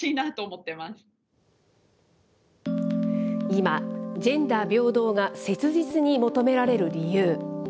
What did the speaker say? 今、ジェンダー平等が切実に求められる理由。